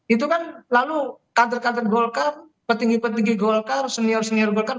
itu kan lalu kader kader golkar petinggi petinggi golkar senior senior golkar